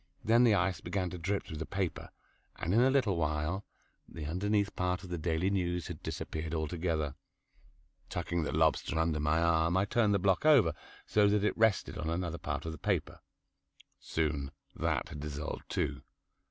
Then the ice began to drip through the paper, and in a little while, the underneath part of "The Daily News" had disappeared altogether. Tucking the lobster under my arm I turned the block over, so that it rested on another part of the paper. Soon that had dissolved too.